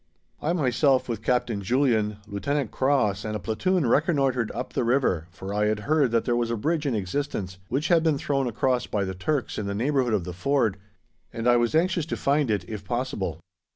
I myself with Captain Julian, Lieutenant Cross, and a platoon reconnoitred up the river, for I had heard that there was a bridge in existence, which had been thrown across by the Turks in the neighbourhood of the ford, and I was anxious to find it if possible.